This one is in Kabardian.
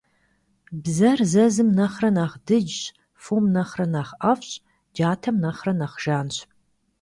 Бзэр зэзым нэхърэ нэхъ дыджщ, фом нэхърэ нэхъ ӀэфӀщ, джатэм нэхърэ нэхъ жанщ.